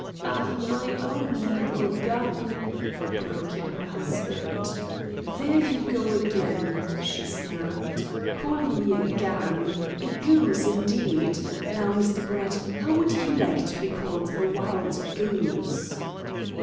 "Ah, my own little gan " broke in her husband. "There you go again," she snapped. "Calling me a gan a goose, indeed! Now, Mr. Brett, how would you like to be called a wild goose?"